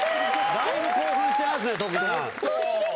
だいぶ興奮してますね徳さん。